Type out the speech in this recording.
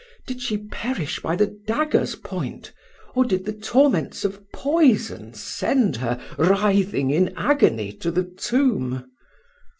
Did she perish by the dagger's point? or did the torments of poison send her, writhing in agony, to the tomb."